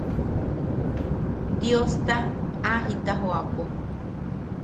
Diosta a jita joʼapo.